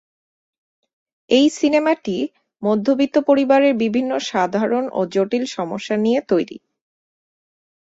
এই সিনেমাটি মধ্যবিত্ত পরিবারের বিভিন্ন সাধারণ ও জটিল সমস্যা নিয়ে তৈরি।